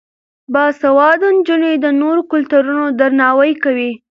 باسواده نجونې د نورو کلتورونو درناوی کوي.